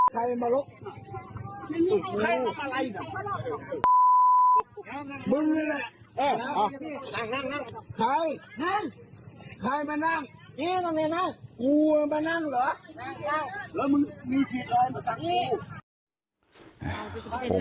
ใครเป็นนาง